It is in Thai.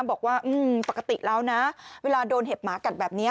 บอกว่าปกติแล้วนะเวลาโดนเห็บหมากัดแบบนี้